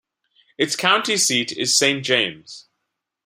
Its county seat is Saint James.